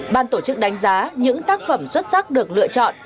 ban tổ chức đánh giá những tác phẩm xuất sắc được lựa chọn